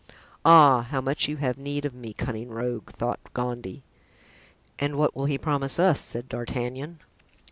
"Ah! how much you have need of me, cunning rogue!" thought Gondy. ("And what will he promise us?" said D'Artagnan.